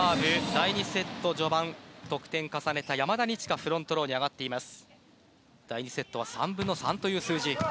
第２セット序盤、得点を重ねた山田二千華がフロントローに上がっています。